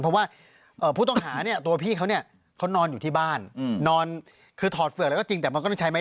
เพราะว่าผู้ต้องหานี่ตัวพี่เขานี่